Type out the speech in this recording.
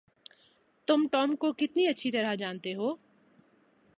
تم ٹام کو کتنی اچھی طرح جانتے ہو؟